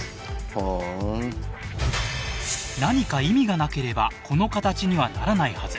ふん何か意味がなければこの形にはならないはず